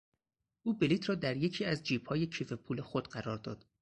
او بلیط را در یکی از جیبهای کیف پول خود قرار داد.